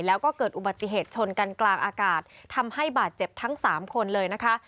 แล้วก็เกิดอุบัติเหตุชนกันกลางอากาศทำให้บาดเจ็บทั้งสามคนเลยนะคะ